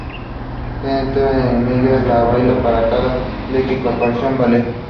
Se entera de que ella baila para Cedar Lake Contemporary Ballet.